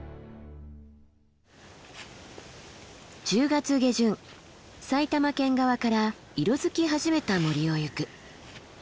１０月下旬埼玉県側から色づき始めた森を行く。